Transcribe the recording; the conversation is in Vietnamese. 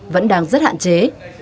vẫn đang rất hạn chế